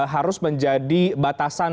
harus menjadi batasan